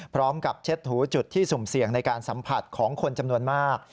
เช็ดถูจุดที่สุ่มเสี่ยงในการสัมผัสของคนจำนวนมาก